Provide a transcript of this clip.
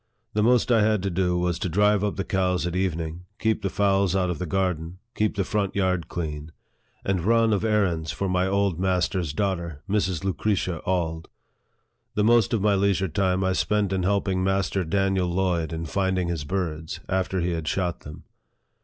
The most I had to do was to drive up the cows at evening, keep the fowls out of the garden, keep the front yard clean, and run of errands for my old master's daughter, Mrs. Lucretia Auld. The most of my leisure time I spent in helping Master Daniel Lloyd in finding his birds, after he had shot them.